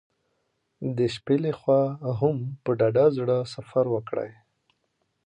د شپې له خوا هم په ډاډه زړه سفر وکړئ.